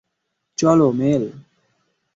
চলো, মেল।